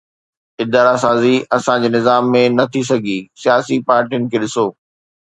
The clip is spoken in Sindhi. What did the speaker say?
ادارا سازي اسان جي نظام ۾ نه ٿي سگهي، سياسي پارٽين کي ڏسو